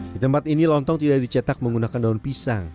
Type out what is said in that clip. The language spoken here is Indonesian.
di tempat ini lontong tidak dicetak menggunakan daun pisang